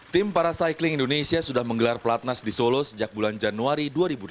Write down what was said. tim para cycling indonesia sudah menggelar pelatnas di solo sejak bulan januari dua ribu delapan belas